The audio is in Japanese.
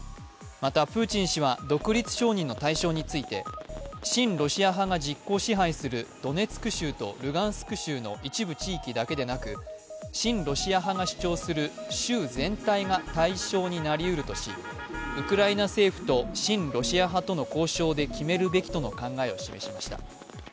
また、プーチン氏は独立承認の対象について親ロシア派が実行支配するドネツク州とルガンスク州の一部地域だけでなく、親ロシア派が主張する州全体が対象になりうるとし、ウクライナ政府と親ロシア派との交渉で決めるべきとの考えを示しました。